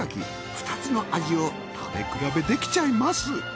２つの味を食べ比べできちゃいます